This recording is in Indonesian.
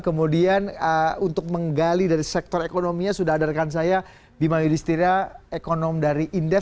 kemudian untuk menggali dari sektor ekonominya sudah ada rekan saya bima yudhistira ekonom dari indef